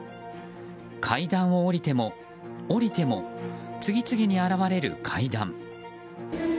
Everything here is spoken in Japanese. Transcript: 階段を下りても下りても次々に現れる階段。